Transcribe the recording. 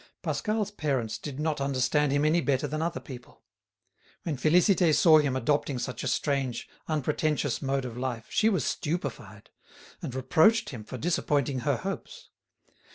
Pascal's parents did not understand him any better than other people. When Félicité saw him adopting such a strange, unpretentious mode of life she was stupefied, and reproached him for disappointing her hopes.